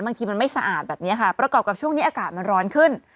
บางทีมันไม่สะอาดแบบนี้ค่ะประกอบกับช่วงนี้อากาศมันร้อนขึ้น